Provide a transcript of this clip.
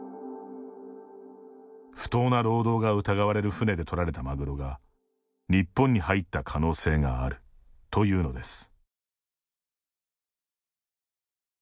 不当な労働が疑われる船で取られたマグロが日本に入った可能性があるというのです。